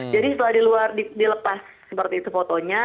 jadi setelah di luar dilepas seperti itu fotonya